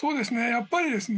やっぱりですね